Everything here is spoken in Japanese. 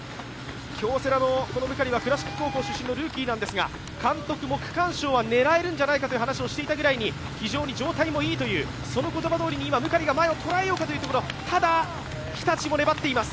京セラのムカリは倉敷高校出身のルーキーなんですが、監督も区間賞は狙えるんじゃないかと話していたぐらいに非常に状態がいいムカリが前を捉えようというところ、ただ日立も粘っています。